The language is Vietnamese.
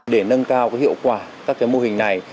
để nâng cao hiệu quả các mô hình này